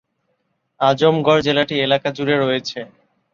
আজমগড় জেলাটি এলাকা জুড়ে রয়েছে।